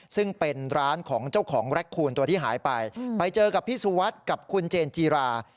ซึ่งเป็นร้านของเจ้าของแร็คคูณตัวที่หายไปไปเจอกับพี่สุวัสดิ์กับคุณเจนจีรา